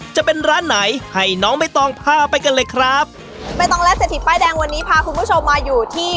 จะเป็นร้านไหนให้น้องใบตองพาไปกันเลยครับไม่ต้องและเศรษฐีป้ายแดงวันนี้พาคุณผู้ชมมาอยู่ที่